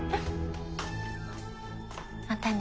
またね。